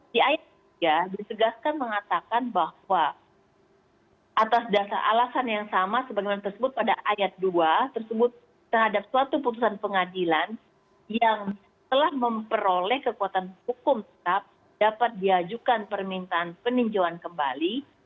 di ayat tiga disegaskan mengatakan bahwa atas dasar alasan yang sama sebenarnya tersebut pada ayat dua tersebut terhadap suatu putusan pengadilan yang telah memperoleh kekuatan hukum tetap dapat diajukan permintaan peninjauan kembali